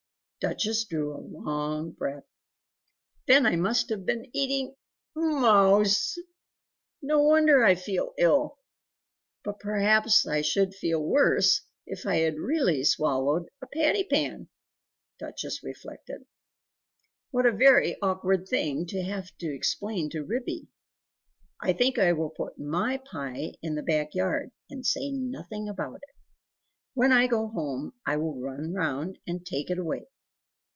Duchess drew a long breath "Then I must have been eating MOUSE!... NO wonder I feel ill.... But perhaps I should feel worse if I had really swallowed a patty pan!" Duchess reflected "What a very awkward thing to have to explain to Ribby! I think I will put my pie in the back yard and say nothing about it. When I go home, I will run round and take it away."